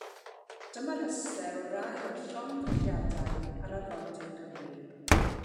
Dyma restr o rai o'r llongddrylliadau ar arfordir Cymru.